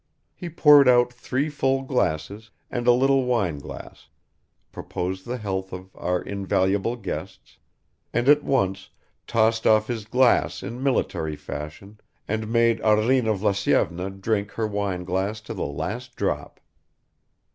He poured out three full glasses and a little wineglass, proposed the health of "our invaluable guests," and at once tossed off his glass in military fashion and made Arina Vlasyevna drink her wineglass to the last drop.